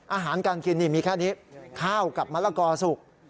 อาหารการกินนี่มีแค่นี้ข้าวกับมะละกอสุก